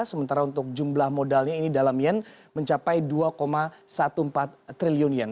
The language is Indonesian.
sementara untuk jumlah modalnya ini dalam yen mencapai dua empat belas triliun yen